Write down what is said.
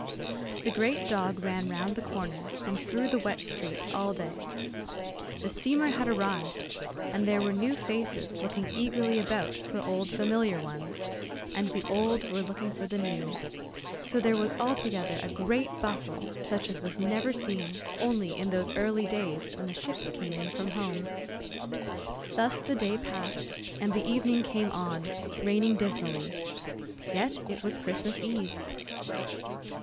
The great dog ran round the corner, and through the wet streets all day. The steamer had arrived, and there were new faces looking eagerly about for old familiar ones, and the old were looking for the new; so there was altogether a great bustle such as was never seen, only in those early days when the ships came in from home. Thus the day passed, and the evening came on, raining dismally yet it was Christmas eve.